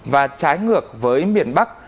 và trái ngược với miền bắc